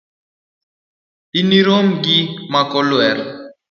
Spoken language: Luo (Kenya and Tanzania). Inirom gi makolwer